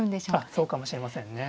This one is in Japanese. そうかもしれませんね。